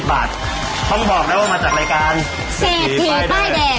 เพราะมึงบอกมาจากรายการเสดีย์ป้ายแดง